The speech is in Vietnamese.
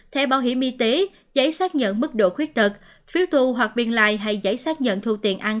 thẻ bảo hiểm y tế giấy xác nhận mức độ khuyết tật phiếu thu hoặc biên lai hay giấy xác nhận thu tiền ăn